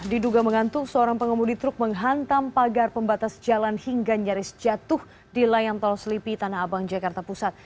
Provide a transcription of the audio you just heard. diduga mengantuk seorang pengemudi truk menghantam pagar pembatas jalan hingga nyaris jatuh di layang tol selipi tanah abang jakarta pusat